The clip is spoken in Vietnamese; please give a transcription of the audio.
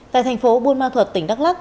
tại thành phố buôn ma thuật tỉnh đắk lắc